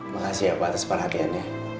makasih ya pak atas perhatiannya